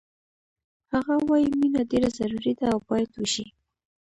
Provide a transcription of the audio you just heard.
هغه وایی مینه ډېره ضروري ده او باید وشي